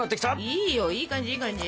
いいよいい感じいい感じ！